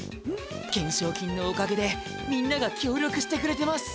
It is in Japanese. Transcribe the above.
懸賞金のおかげでみんながきょうりょくしてくれてます。